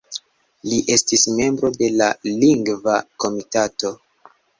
Li estis membro de la Lingva Komitato.